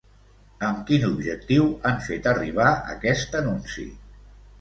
Amb quin objectiu han fet arribar aquest anunci?